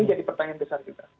ini jadi pertanyaan besar juga